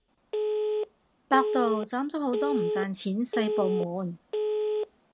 百度斬咗好多唔賺錢細部門